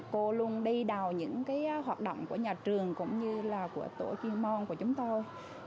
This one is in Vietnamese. cô luôn đi đầu những hoạt động của nhà trường cũng như là của tổ chuyên môn của chúng tôi